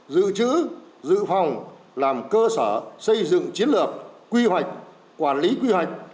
giữ chữ giữ phòng làm cơ sở xây dựng chiến lược quy hoạch quản lý quy hoạch